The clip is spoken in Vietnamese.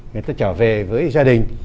người ta trở về với gia đình